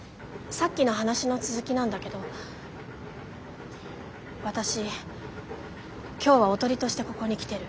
さっきの話の続きなんだけど私今日はおとりとしてここに来てる。